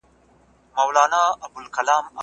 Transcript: ډاکټر به د لوړ ږغ سره پاڼه ړنګه نه کړي.